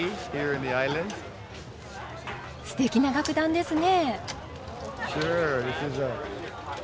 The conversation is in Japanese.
すてきな楽団ですね。